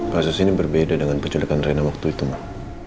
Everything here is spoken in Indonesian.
kasus ini berbeda dengan penculikan reina waktu itu mas